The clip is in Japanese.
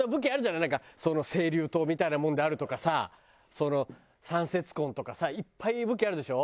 なんか青龍刀みたいなもんであるとかさ三節棍とかさいっぱい武器あるでしょ？